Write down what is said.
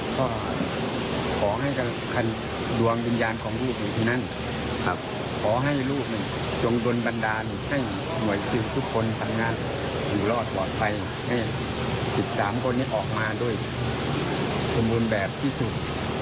ก็ขอให้ดวงวิญญาณของลูกอยู่ที่นั่นขอให้ลูกจงโดนบันดาลให้หน่วยซิลทุกคนทำงานอยู่รอดปลอดภัยให้๑๓คนนี้ออกมาด้วยสมบูรณ์แบบที่สุด